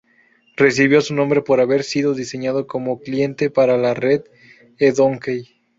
Recibió su nombre por haber sido diseñado como cliente para la red eDonkey.